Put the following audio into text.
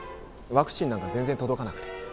ワクチンなんか全然届かなくて。